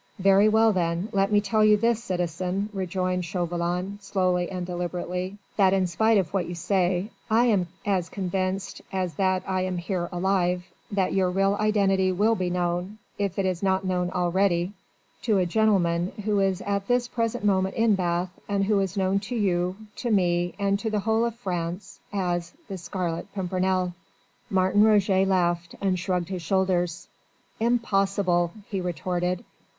"Very well, then, let me tell you this, citizen," rejoined Chauvelin slowly and deliberately, "that in spite of what you say I am as convinced as that I am here, alive, that your real identity will be known if it is not known already to a gentleman who is at this present moment in Bath, and who is known to you, to me, to the whole of France as the Scarlet Pimpernel." Martin Roget laughed and shrugged his shoulders. "Impossible!" he retorted.